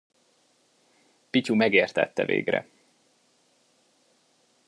Pityu megértette végre.